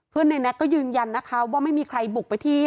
ในแน็กก็ยืนยันนะคะว่าไม่มีใครบุกไปที่